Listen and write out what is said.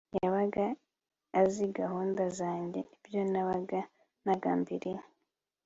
yabaga azi gahunda zanjye nibyo nabaga nagambiriye